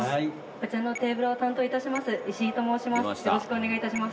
こちらのテーブルを担当いたします、石井と申します。